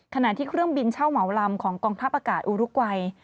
ขณะที่เครื่องบินเช่าเหมาลำของกองทัพอากาศอุรุกวัย